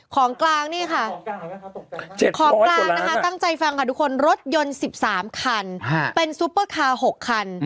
ของกลางนี่ค่ะของกลางนะคะตั้งใจฟังค่ะทุกคนรถยนต์๑๓คันเป็นซุปเปอร์คาร์๖คัน